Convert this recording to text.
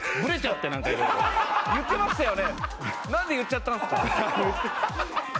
笑ってましたよね。